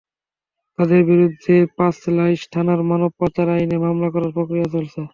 তাঁদের বিরুদ্ধে পাঁচলাইশ থানায় মানব পাচার আইনে মামলা করার প্রক্রিয়া চলছে।